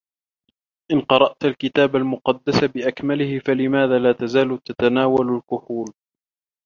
إن قرأت الكتاب المقدّس بأكمله، فلماذا لا تزال تتناول الكحول؟